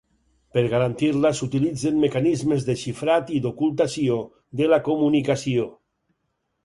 Per garantir-la s'utilitzen mecanismes de xifrat i d'ocultació de la comunicació.